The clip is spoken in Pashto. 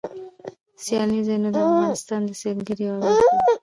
سیلاني ځایونه د افغانستان د سیلګرۍ یوه برخه ده.